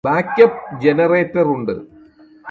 back up ജനറേറ്ററുണ്ട്